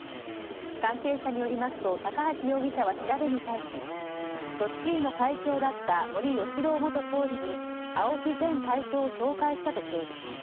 関係者によりますと高橋容疑者は調べに対し組織委の会長だった森喜朗元総理にＡＯＫＩ前会長を紹介したと供述。